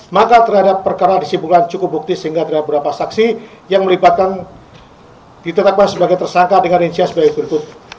maka terhadap perkara disimpulkan cukup bukti sehingga ada beberapa saksi yang melibatkan ditetapkan sebagai tersangka dengan inisia sebagai berikut